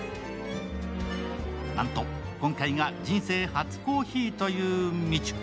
なんと今回が人生初コーヒーというみちゅ。